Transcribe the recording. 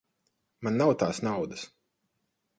Man nav tās naudas.